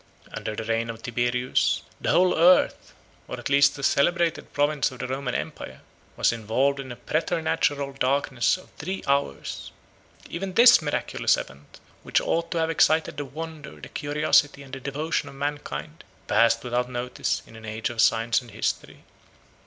Under the reign of Tiberius, the whole earth, 194 or at least a celebrated province of the Roman empire, 195 was involved in a preternatural darkness of three hours. Even this miraculous event, which ought to have excited the wonder, the curiosity, and the devotion of mankind, passed without notice in an age of science and history.